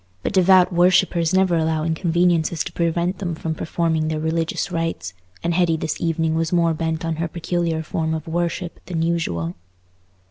But devout worshippers never allow inconveniences to prevent them from performing their religious rites, and Hetty this evening was more bent on her peculiar form of worship than usual.